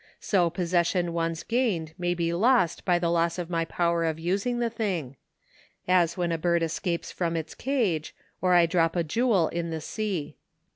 So possession once gained may be lost by the loss of my power of using the thing ; as when a bird escapes from its cage, or I drop a jewel in the sea.